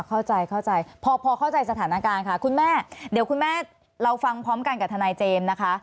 เข้าใจเข้าใจพอพอเข้าใจสถานการณ์ค่ะคุณแม่เดี๋ยวคุณแม่เราฟังพร้อมกันกับทนายเจมส์นะคะ